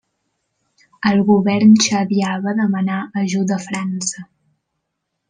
El govern txadià va demanar ajuda a França.